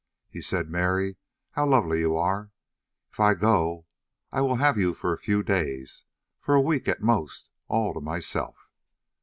He said: "Mary, how lovely you are. If I go I will have you for a few days for a week at most, all to myself."